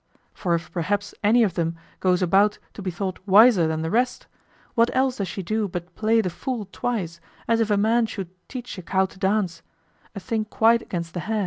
For if perhaps any of them goes about to be thought wiser than the rest, what else does she do but play the fool twice, as if a man should "teach a cow to dance," "a thing quite against the hair."